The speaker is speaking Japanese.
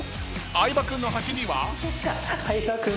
相葉君の走りは？